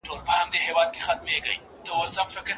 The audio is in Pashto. نو جرئت یې زیاتېږي.